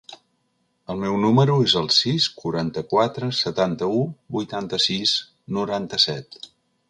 El meu número es el sis, quaranta-quatre, setanta-u, vuitanta-sis, noranta-set.